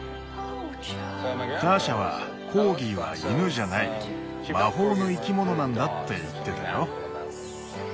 ターシャはコーギーは犬じゃない魔法の生き物なんだって言ってたよ。